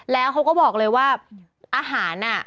แล้วเขาก็บอกเลยว่าอาหารอ่ะ